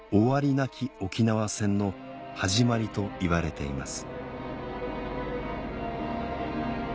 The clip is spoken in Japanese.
なき沖縄戦の始まりといわれています